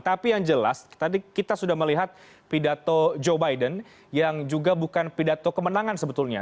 tapi yang jelas tadi kita sudah melihat pidato joe biden yang juga bukan pidato kemenangan sebetulnya